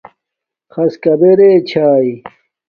خَص کبݺ رِݵ چھݳئݺ؟